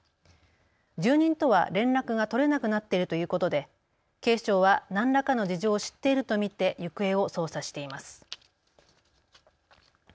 住人とは連絡が取れなくなっているということで警視庁は何らかの事情を知っていると見て行方を捜査しています。